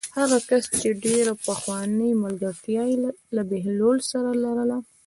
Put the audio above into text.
هغه کس چې ډېره پخوانۍ ملګرتیا یې له بهلول سره لرله.